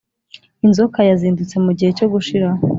inzoka yazindutse mugihe cyo gushiraho.